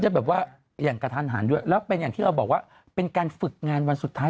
แบบว่าอย่างกระทันหันด้วยแล้วเป็นอย่างที่เราบอกว่าเป็นการฝึกงานวันสุดท้าย